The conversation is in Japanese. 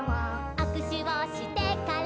「あくしゅをしてから」